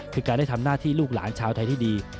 คือการได้ทำหน้าที่ลูกหลานชาวไทยที่ดี